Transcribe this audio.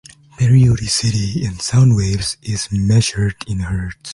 Periodicity in sound waves is measured in hertz.